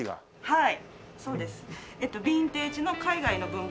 はい。